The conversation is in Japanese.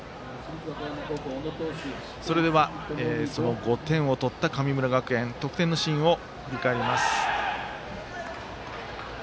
それではその５点を取った神村学園得点のシーンを振り返ります。